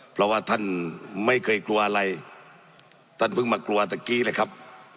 เพราะว่าท่านไม่เคยกลัวอะไรท่านเพิ่งมากลัวตะกี้เลยครับ